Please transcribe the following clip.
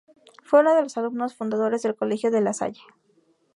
Fue uno de los alumnos fundadores del Colegio La Salle.